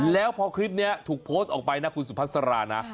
แล้วพอคลิปนี้ถูกโพสต์ออกไปนะคุณสุพัสรานะ